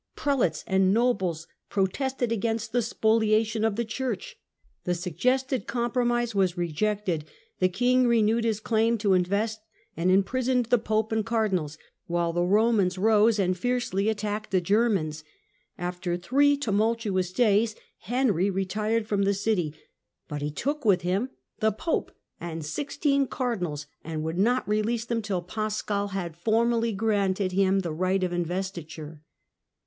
Prelates and nobles protested against the spoliation of the Church. The suggested compromise was rejected. The King renewed his claim to invest, and imprisoned the Pope and Cardinals, while the Romans rose and fiercely attacked the Germans. After three tumultuous days Henry retired from the city, but he took 94 THE CENTRAL PERIOD OF THE MIDDLE AGE with him the Pope and sixteen cardinals, and would not release them till Paschal had formally granted him the right of investiture.